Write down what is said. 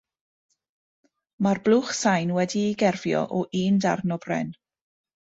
Mae'r blwch sain wedi'i gerfio o un darn o bren.